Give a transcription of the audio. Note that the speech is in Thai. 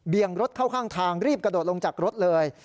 งรถเข้าข้างทางรีบกระโดดลงจากรถเลย